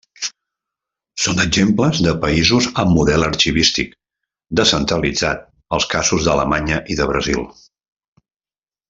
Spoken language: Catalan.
Són exemples de països amb model arxivístic descentralitzat als casos d'Alemanya i de Brasil.